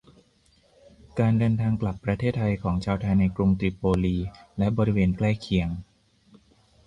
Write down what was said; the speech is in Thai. การเดินทางกลับประเทศไทยของชาวไทยในกรุงตริโปลีและบริเวณใกล้เคียง